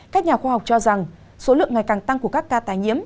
các nhà khoa học cho rằng số lượng ngày càng tăng của các ca tái nhiễm